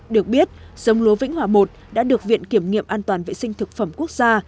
được biết giống lúa vĩnh hòa i đã được viện kiểm nghiệm an toàn vệ sinh thực phẩm quốc gia